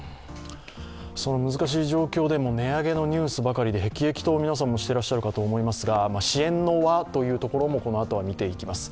難しい状況でも値上げのニュースばかりで皆さんも辟易としていると思いますが支援の輪というところもこのあとは見ていきます。